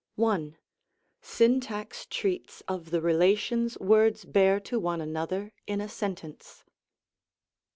1. Syntax treats of the relations words bear to one another in a sentence.